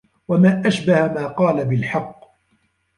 وَمَا أَشْبَهَ مَا قَالَ بِالْحَقِّ